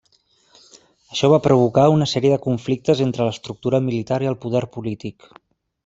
Això va provocar una sèrie de conflictes entre l'estructura militar i el poder polític.